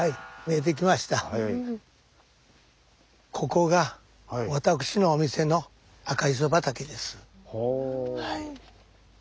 ここが私のお店の赤じそ畑です。